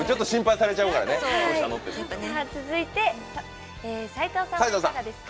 続いて、齋藤さんいかがですか？